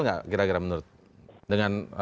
tidak kira kira menurut anda dengan